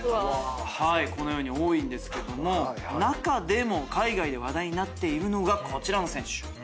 このように多いんですけども中でも海外で話題になっているのがこちらの選手。